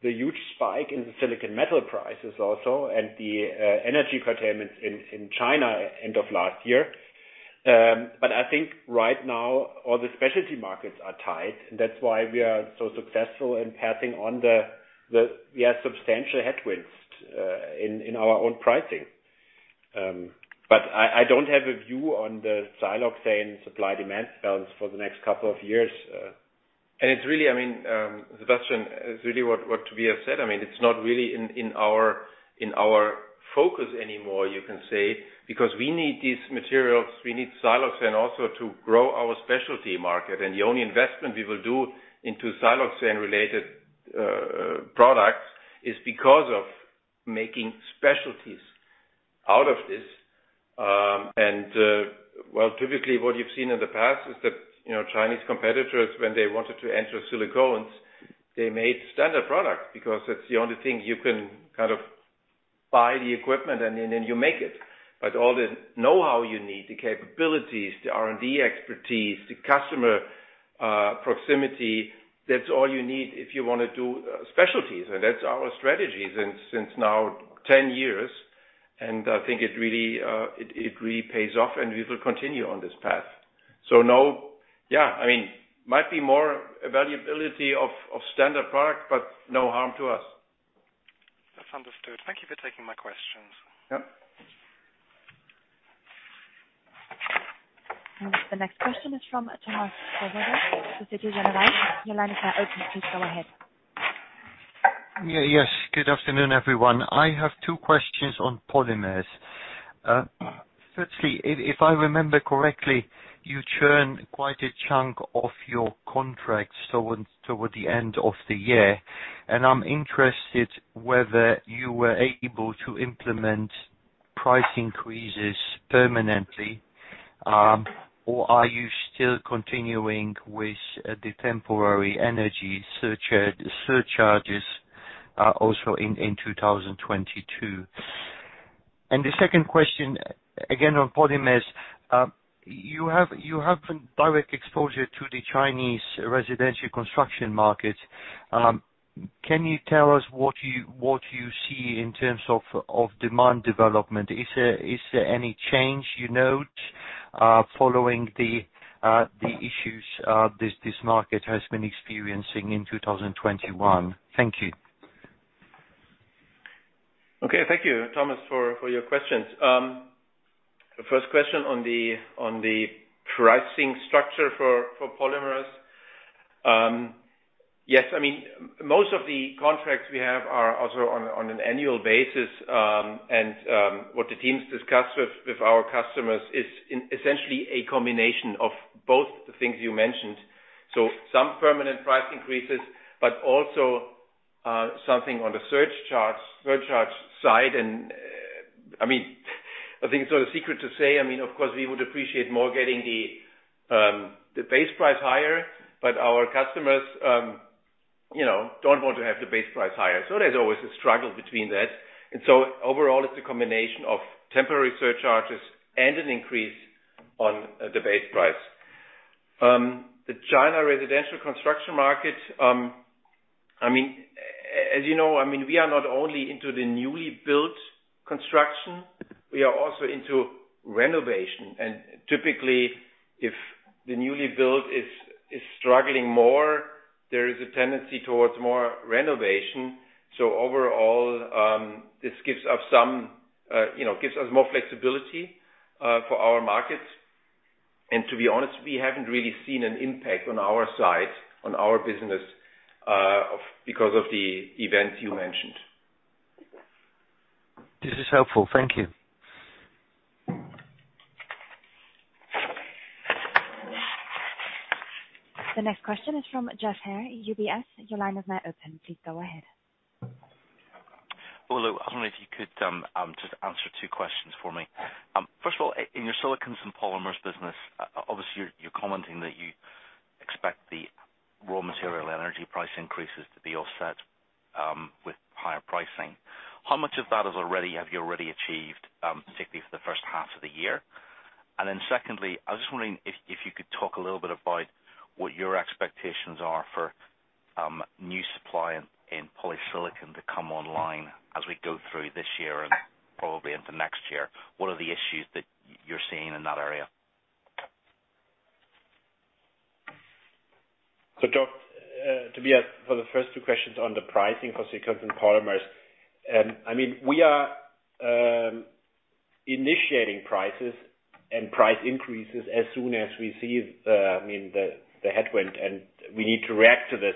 huge spike in the silicon metal prices also and the energy curtailments in China end of last year. But I think right now, all the specialty markets are tight. That's why we are so successful in passing on the yeah substantial headwinds in our own pricing. But I don't have a view on the siloxane supply demand balance for the next couple of years. It's really, I mean, Sebastian, it's really what we have said. I mean, it's not really in our focus anymore, you can say, because we need these materials, we need siloxane also to grow our specialty market. The only investment we will do into siloxane-related products is because of making specialties out of this. Well, typically what you've seen in the past is that, you know, Chinese competitors, when they wanted to enter Silicones, they made standard products because that's the only thing you can kind of buy the equipment and then you make it. But all the know-how you need, the capabilities, the R&D expertise, the customer proximity, that's all you need if you wanna do specialties. That's our strategy since now 10 years, and I think it really pays off, and we will continue on this path. No, yeah, I mean, might be more availability of standard product, but no harm to us. That's understood. Thank you for taking my questions. Yep. The next question is from Thomas Wrigglesworth with Morgan Stanley. If that's open, please go ahead. Yes, good afternoon, everyone. I have two questions on Polymers. Firstly, if I remember correctly, you churn quite a chunk of your contracts toward the end of the year. I'm interested whether you were able to implement price increases permanently, or are you still continuing with the temporary energy surcharges, also in 2022? The second question, again, on polymers, you have direct exposure to the Chinese residential construction market. Can you tell us what you see in terms of demand development? Is there any change you note following the issues this market has been experiencing in 2021? Thank you. Okay. Thank you, Thomas, for your questions. The first question on the pricing structure for Polymers. Yes. I mean, most of the contracts we have are also on an annual basis. What the teams discuss with our customers is essentially a combination of both the things you mentioned. Some permanent price increases, but also something on the surcharge side. I mean, I think it's not a secret to say, I mean, of course, we would appreciate more getting the base price higher. But our customers, you know, don't want to have the base price higher. There's always a struggle between that. Overall, it's a combination of temporary surcharges and an increase on the base price. The China residential construction market, I mean, as you know, I mean, we are not only into the newly built construction, we are also into renovation. Typically, if the newly built is struggling more, there is a tendency towards more renovation. Overall, this gives us some, you know, more flexibility for our markets. To be honest, we haven't really seen an impact on our side, on our business, because of the events you mentioned. This is helpful. Thank you. The next question is from Geoff Haire, UBS. Your line is now open. Please go ahead. Well, look, I wonder if you could just answer two questions for me. First of all, in your Silicones and Polymers business, obviously, you're commenting that you expect the raw material and energy price increases to be offset with higher pricing. How much of that have you already achieved, particularly for the first half of the year? Secondly, I was just wondering if you could talk a little bit about what your expectations are for new supply in polysilicon to come online as we go through this year and probably into next year. What are the issues that you're seeing in that area? Geoff, for the first two questions on the pricing for Silicones and Polymers, I mean, we are initiating prices and price increases as soon as we see the headwind, and we need to react to this.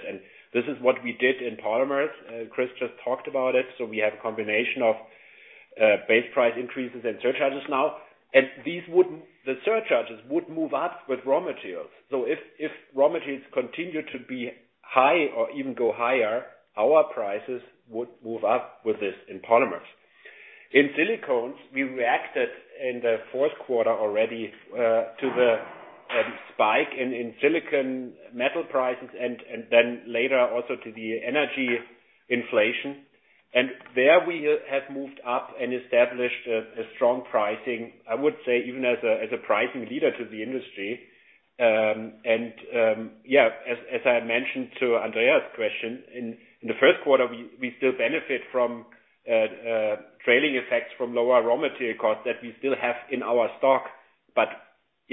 This is what we did in Polymers. Christian just talked about it. We have a combination of base price increases and surcharges now. The surcharges would move up with raw materials. If raw materials continue to be high or even go higher, our prices would move up with this in Polymers. In Silicones, we reacted in the fourth quarter already to the spike in silicon metal prices and then later also to the energy inflation. There we have moved up and established a strong pricing, I would say, even as a pricing leader to the industry. As I had mentioned to Andreas's question, in the first quarter, we still benefit from trailing effects from lower raw material costs that we still have in our stock. But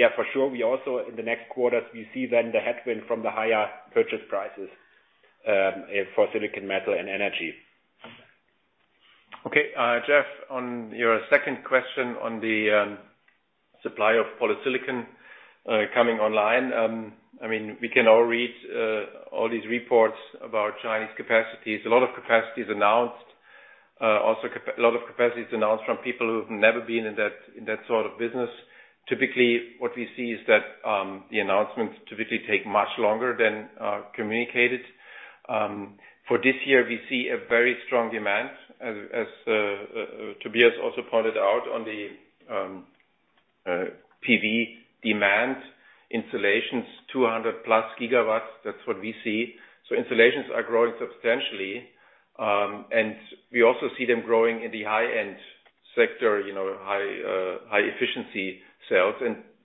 yeah, for sure, we also in the next quarters see then the headwind from the higher purchase prices for silicon metal and energy. Okay. Geoff, on your second question on the supply of polysilicon coming online, I mean, we can all read all these reports about Chinese capacities. A lot of capacities announced. Also a lot of capacities announced from people who've never been in that sort of business. Typically, what we see is that the announcements typically take much longer than communicated. For this year, we see a very strong demand, as Tobias also pointed out on the PV demand installations, 200+ gigawatts. That's what we see. Installations are growing substantially, and we also see them growing in the high-end sector, you know, high-efficiency cells.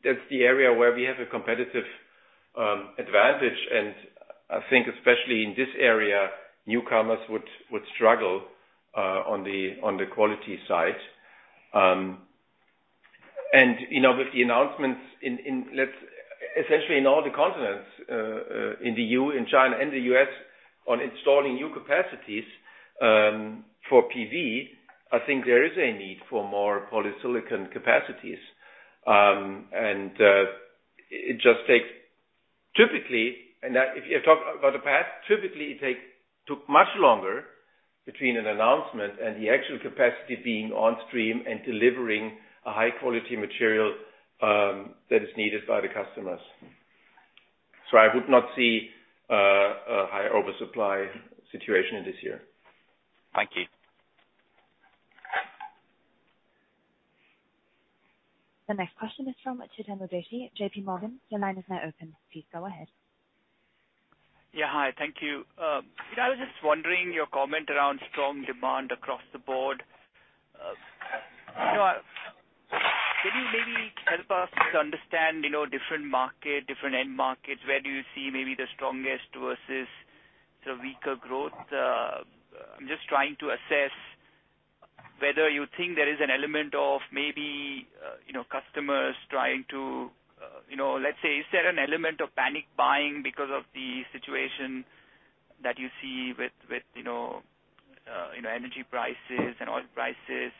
That's the area where we have a competitive advantage. I think especially in this area, newcomers would struggle on the quality side. You know, with the announcements essentially in all the continents in the EU, in China, and the U.S. on installing new capacities for PV, I think there is a need for more polysilicon capacities. It just takes typically, and that if you talk about the past, typically it took much longer between an announcement and the actual capacity being on stream and delivering a high-quality material that is needed by the customers. I would not see a high oversupply situation this year. Thank you. The next question is from Chetan Udeshi, JPMorgan. Your line is now open. Please go ahead. Yeah. Hi, thank you. You know, I was just wondering your comment around strong demand across the board. You know, can you maybe help us to understand, you know, different market, different end markets? Where do you see maybe the strongest versus the weaker growth? I'm just trying to assess whether you think there is an element of maybe, you know, customers trying to, you know. Let's say, is there an element of panic buying because of the situation that you see with, you know, energy prices and oil prices?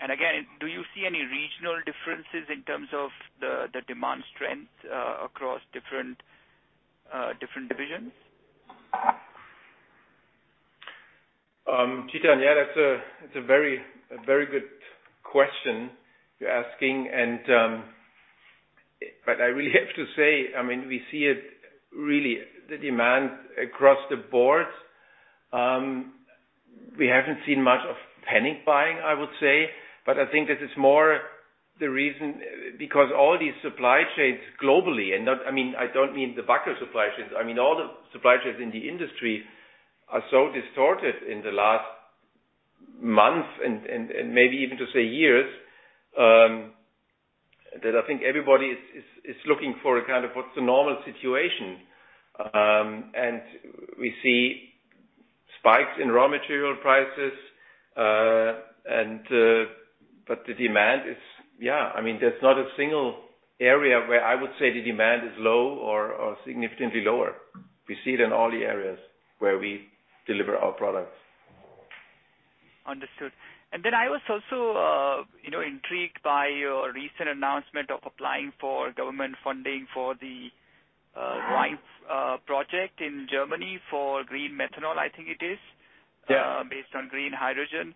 And again, do you see any regional differences in terms of the demand strength, across different divisions? Chetan, yeah, that's a very good question you're asking. I really have to say, I mean, we see really the demand across the board. We haven't seen much of panic buying, I would say. I think this is more the reason because all these supply chains globally, and I mean, I don't mean the Wacker supply chains. I mean, all the supply chains in the industry are so distorted in the last month and maybe even to say years, that I think everybody is looking for a kind of what's the normal situation. We see spikes in raw material prices. The demand is, yeah, I mean, there's not a single area where I would say the demand is low or significantly lower. We see it in all the areas where we deliver our products. Understood. I was also, you know, intrigued by your recent announcement of applying for government funding for the RHYME project in Germany for green methanol, I think it is. Yeah Based on green hydrogen.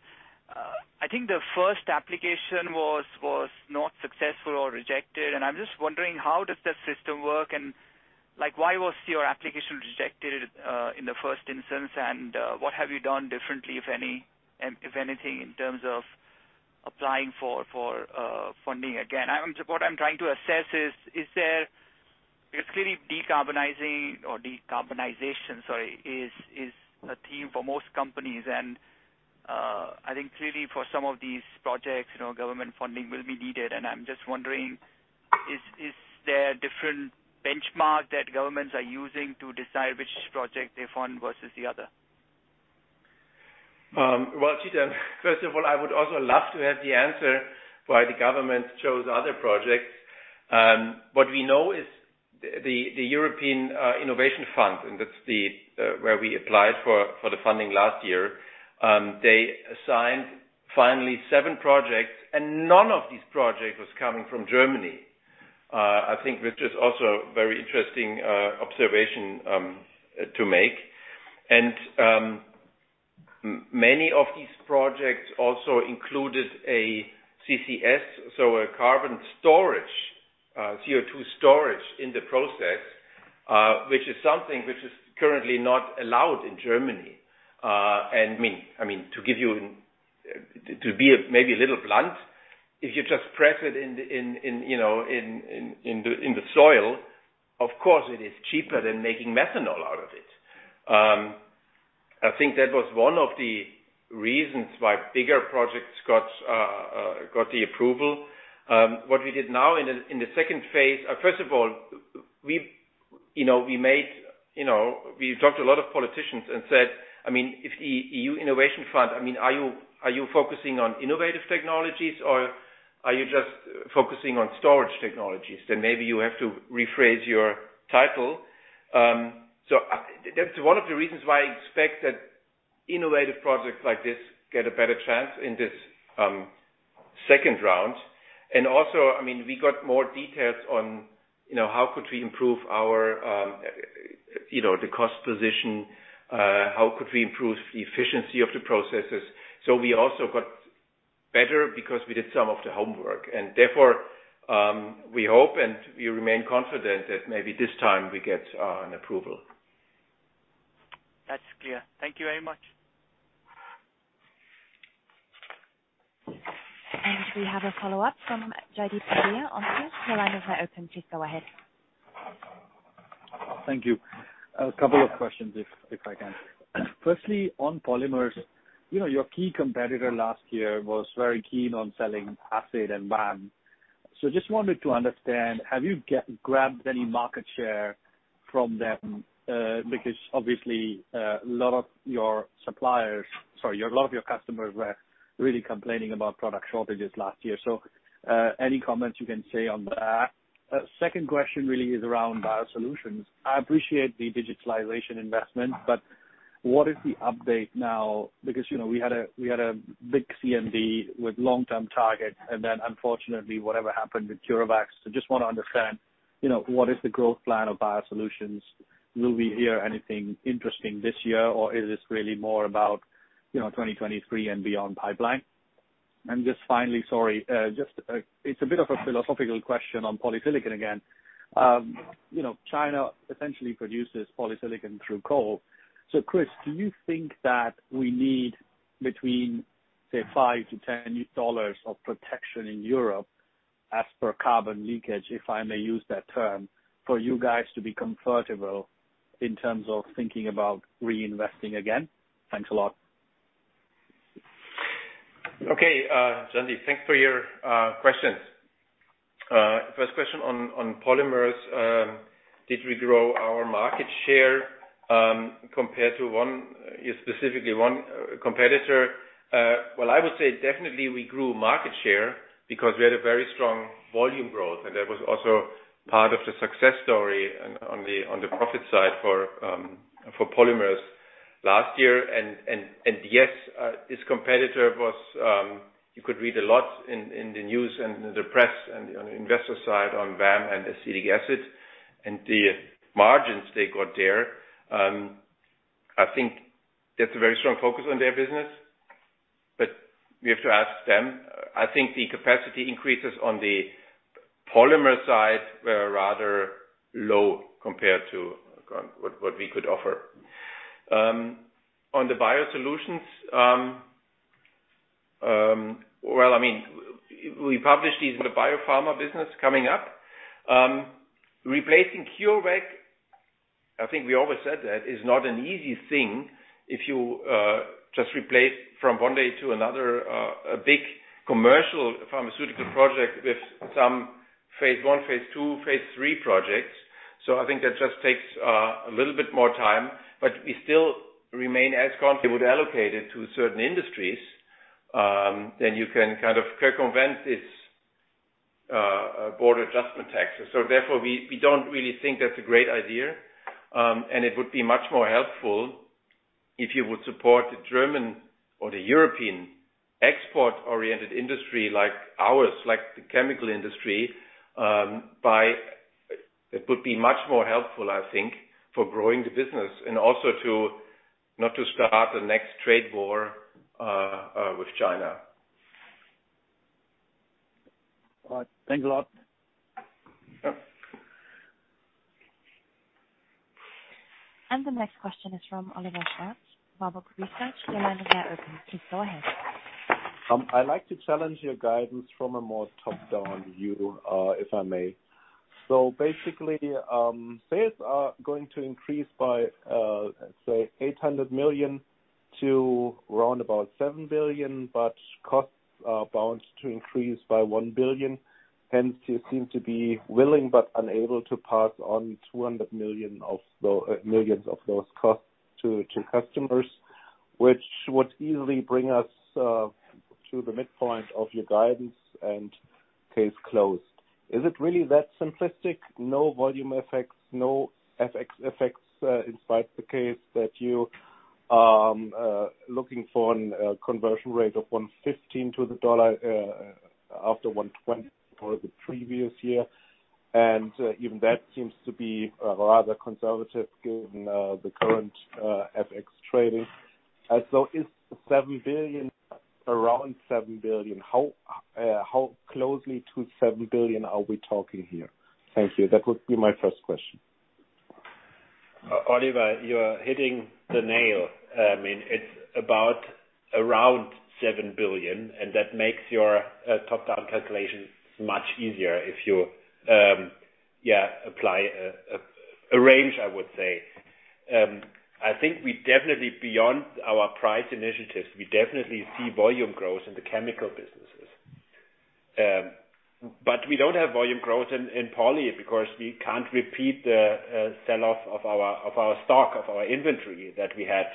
I think the first application was not successful or rejected. I'm just wondering, how does that system work? Like, why was your application rejected in the first instance? What have you done differently, if anything, in terms of applying for funding again? What I'm trying to assess is. It's clearly decarbonization is a theme for most companies. I think clearly for some of these projects, you know, government funding will be needed. I'm just wondering, is there a different benchmark that governments are using to decide which project they fund versus the other? Well, Chetan, first of all, I would also love to have the answer why the government chose other projects. What we know is the European Innovation Fund, and that's where we applied for the funding last year. They assigned finally seven projects, and none of these projects was coming from Germany. I think this is also a very interesting observation to make. Many of these projects also included a CCS, so a carbon storage, CO2 storage in the process, which is something which is currently not allowed in Germany. I mean, to give you, to be maybe a little blunt, if you just press it in the soil, you know, of course, it is cheaper than making methanol out of it. I think that was one of the reasons why bigger projects got the approval. What we did now in the second phase. First of all, we've talked to a lot of politicians and said, "I mean, if EU Innovation Fund, I mean, are you focusing on innovative technologies or are you just focusing on storage technologies? Then maybe you have to rephrase your title." That's one of the reasons why I expect that innovative projects like this get a better chance in this second round. Also, I mean, we got more details on, you know, how could we improve our, you know, the cost position, how could we improve the efficiency of the processes. We also got better because we did some of the homework. Therefore, we hope and we remain confident that maybe this time we get an approval. That's clear. Thank you very much. We have a follow-up from Jaideep Pandya on the line. Your line is now open. Please go ahead. Thank you. A couple of questions, if I can. Firstly, on Polymers, you know, your key competitor last year was very keen on selling acid and VAM. So just wanted to understand, have you grabbed any market share from them? Because obviously, a lot of your suppliers, sorry, a lot of your customers were really complaining about product shortages last year. So, any comments you can say on that? Second question really is around Biosolutions. I appreciate the digitalization investment, but what is the update now? Because, you know, we had a big CMD with long-term targets, and then unfortunately, whatever happened with CureVac. So just wanna understand, you know, what is the growth plan of Biosolutions? Will we hear anything interesting this year, or is this really more about, you know, 2023 and beyond pipeline? Just finally, sorry, just, it's a bit of a philosophical question on polysilicon again. You know, China essentially produces polysilicon through coal. Christian, do you think that we need between, say, $5-$10 of protection in Europe as per carbon leakage, if I may use that term, for you guys to be comfortable in terms of thinking about reinvesting again? Thanks a lot. Okay, Jaideep, thanks for your questions. First question on Polymers, did we grow our market share compared to one, specifically one competitor? Well, I would say definitely we grew market share because we had a very strong volume growth, and that was also part of the success story on the profit side for Polymers last year. Yes, this competitor was, you could read a lot in the news and the press and on the investor side on VAM and acetic acid and the margins they got there. I think that's a very strong focus on their business, but we have to ask them. I think the capacity increases on the Polymers side were rather low compared to what we could offer. On the Biosolutions, well, I mean, we published these in the biopharma business coming up. Replacing CureVac, I think we always said that is not an easy thing if you just replace from one day to another a big commercial pharmaceutical project with some phase I, phase II, phase III projects. I think that just takes a little bit more time, but we still remain as confident allocated to certain industries, then you can kind of circumvent its. Border adjustment tax. Therefore we don't really think that's a great idea. It would be much more helpful if you would support the German or the European export-oriented industry like ours, like the chemical industry. It would be much more helpful, I think, for growing the business and also to not start the next trade war with China. All right, thanks a lot. The next question is from Oliver Schwarz, Baader Bank. Your line is now open. Please go ahead. I'd like to challenge your guidance from a more top-down view, if I may. Basically, sales are going to increase by say 800 million to around 7 billion, but costs are bound to increase by 1 billion. Hence, you seem to be willing but unable to pass on 200 million of millions of those costs to customers, which would easily bring us to the midpoint of your guidance and case closed. Is it really that simplistic? No volume effects, no FX effects, in spite the case that you are looking for a conversion rate of $1.15 to the dollar, after $1.20 for the previous year. Even that seems to be rather conservative given the current FX trading. Is the 7 billion around 7 billion? How closely to 7 billion are we talking here? Thank you. That would be my first question. Oliver, you are hitting the nail. I mean, it's about around 7 billion, and that makes your top-down calculations much easier if you apply a range, I would say. I think we definitely beyond our price initiatives, we definitely see volume growth in the chemical businesses. But we don't have volume growth in poly because we can't repeat the sell-off of our stock of our inventory that we had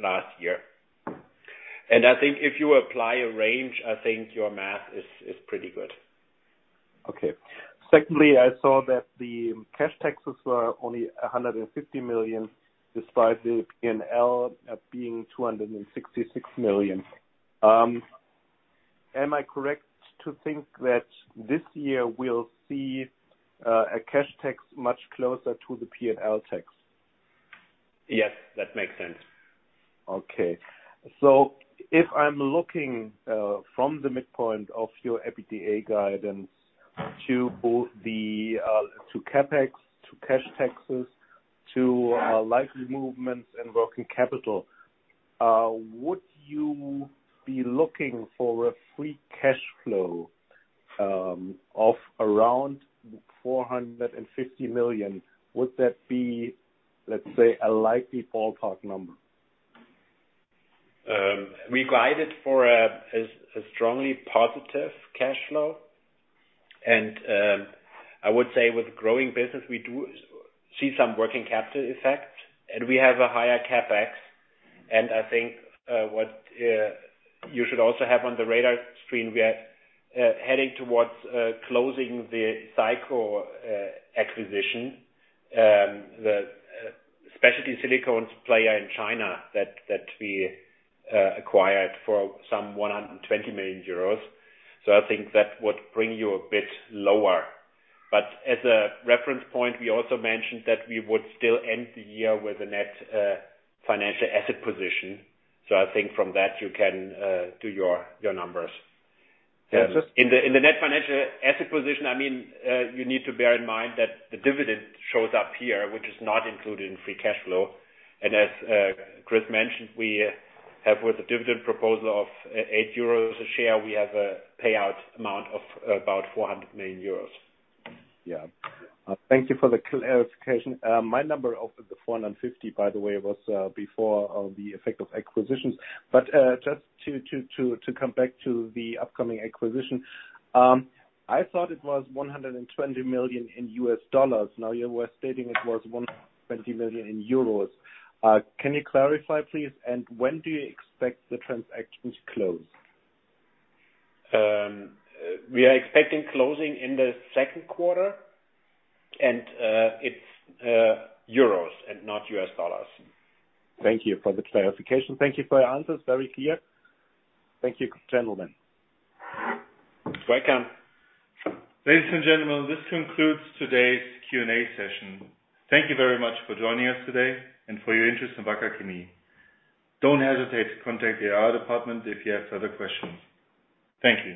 last year. I think if you apply a range, I think your math is pretty good. Okay. Secondly, I saw that the cash taxes were only 150 million, despite the P&L being 266 million. Am I correct to think that this year we'll see a cash tax much closer to the P&L tax? Yes, that makes sense. Okay. If I'm looking from the midpoint of your EBITDA guidance to CapEx, cash taxes, and likely movements in working capital, would you be looking for a free cash flow of around 450 million? Would that be, let's say, a likely ballpark number? We guided for a strongly positive cash flow. I would say with growing business, we do see some working capital effect, and we have a higher CapEx. I think what you should also have on the radar screen, we are heading towards closing the Sico acquisition, the specialty silicones player in China that we acquired for some 120 million euros. I think that would bring you a bit lower. As a reference point, we also mentioned that we would still end the year with a net financial asset position. I think from that you can do your numbers. Yeah. In the net financial asset position, I mean, you need to bear in mind that the dividend shows up here, which is not included in free cash flow. As Christian mentioned, we have with the dividend proposal of 8 euros a share, we have a payout amount of about 400 million euros. Yeah. Thank you for the clarification. My number of the 450, by the way, was before the effect of acquisitions. Just to come back to the upcoming acquisition, I thought it was $120 million. Now you were stating it was 120 million euros. Can you clarify please? When do you expect the transactions closed? We are expecting closing in the second quarter, and it's Euros and not U.S. dollars. Thank you for the clarification. Thank you for your answers. Very clear. Thank you, gentlemen. Welcome. Ladies and gentlemen, this concludes today's Q and A session. Thank you very much for joining us today and for your interest in Wacker Chemie. Don't hesitate to contact the IR department if you have further questions. Thank you.